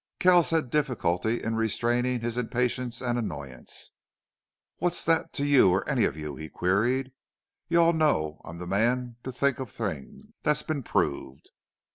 Keils had difficulty in restraining his impatience and annoyance. "What's that to you or any of you?" he queried. "You all know I'm the man to think of things. That's been proved.